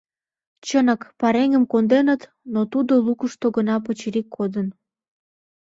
Чынак, пареҥгым конденыт, но тудо лукышто гына пычырик кодын.